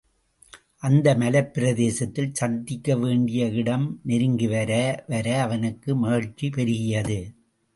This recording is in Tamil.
அந்த மலைப் பிரதேசத்திலே சந்திக்கவேண்டிய இடம் நெருங்கி வரவர அவனுக்கு மகிழ்ச்சி பெருகியது.